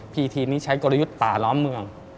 ีทีมนี้ใช้กลยุทธ์ป่าล้อมเมือง